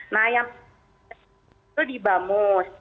nah yang itu di bamus